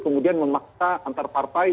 kemudian memaksa antar partai